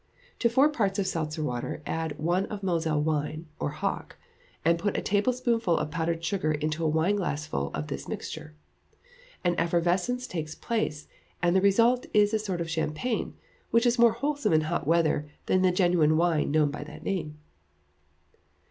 To four parts of seltzer water add one of Moselle wine (or hock), and put a teaspoonful of powdered sugar into a wineglassful of this mixture; an effervescence takes place, and the result is a sort of champagne, which is more wholesome in hot weather than the genuine wine known by that name.